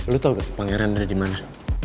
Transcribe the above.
lu tau gak pangeran ada dimana